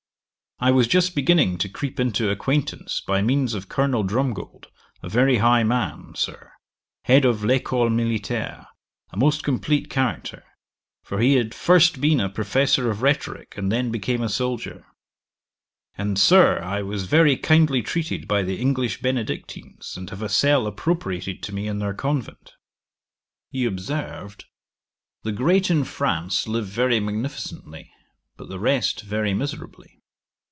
I was just beginning to creep into acquaintance by means of Colonel Drumgold, a very high man, Sir, head of L'Ecole Militaire, a most complete character, for he had first been a professor of rhetorick, and then became a soldier. And, Sir, I was very kindly treated by the English Benedictines, and have a cell appropriated to me in their convent.' He observed, 'The great in France live very magnificently, but the rest very miserably.